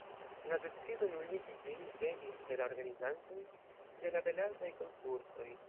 La decido nuligi ĝin venis de la organizantoj de la Belartaj Konkursoj.